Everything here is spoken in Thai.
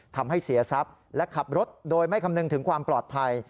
ทำให้เสียทรัพย์และขับรถโดยไม่คำนึงถึงความปลอดภัย